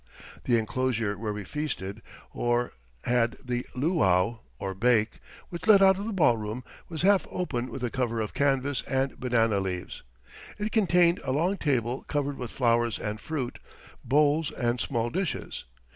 The inclosure where we feasted or had the luau or "bake" which led out of the ball room, was half open with a cover of canvas and banana leaves. It contained a long table covered with flowers and fruit, bowls and small dishes.